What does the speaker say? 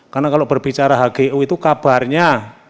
karena kalau berbicara hgu itu kabarnya